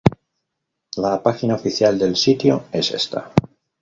La página oficial del sitio es esta.